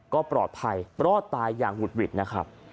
ก็ปลอดภัยรอดตายอย่างหุดหวิดนะครับ